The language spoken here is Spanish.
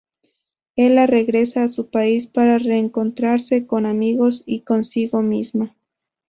Ela regresa a su país para reencontrarse con amigos y consigo misma.